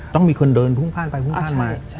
ต้องมีคนเดินฟุ่งภาคไปฟุ่งภาคมา